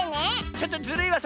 ちょっとずるいわそれ